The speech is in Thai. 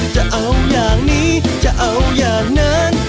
จะเอาอย่างนี้จะเอาอย่างนั้น